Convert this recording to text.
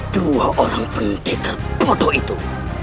dua orang pendekat bodoh itu